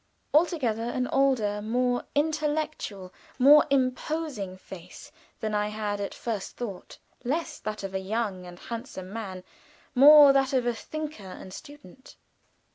Altogether, an older, more intellectual, more imposing face than I had at first thought; less that of a young and handsome man, more that of a thinker and student.